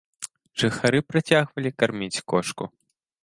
Жыхары працягвалі карміць кошку.